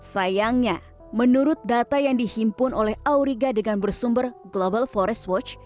sayangnya menurut data yang dihimpun oleh auriga dengan bersumber global forest watch